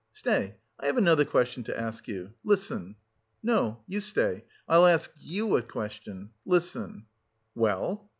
Stay, I have another question to ask you. Listen!" "No, you stay, I'll ask you a question. Listen!" "Well?"